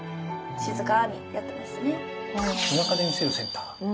静かにやってましたね。